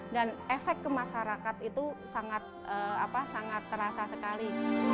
dan efek kemasyarakat itu sangat apa sangat terasa sekali